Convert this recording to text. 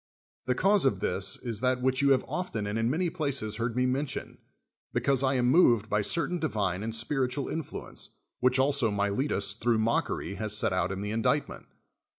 The cause of this is that which you have often and in many places heard me mention : because I am moved by certain di\ iiK' and spiritual influence, which also I\Iile tus, thrmiuii mockery, has set out in the indict ment.